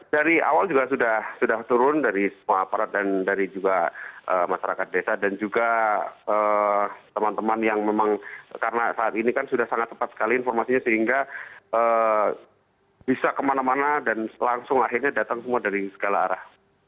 dari awal juga sudah turun dari semua aparat dan dari juga masyarakat desa dan juga teman teman yang memang karena saat ini kan sudah sangat tepat sekali informasinya sehingga bisa kemana mana dan langsung lahirnya datang semua dari segala arah